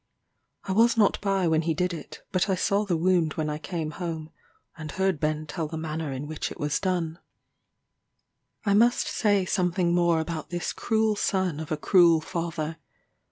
I was not by when he did it, but I saw the wound when I came home, and heard Ben tell the manner in which it was done. I must say something more about this cruel son of a cruel father.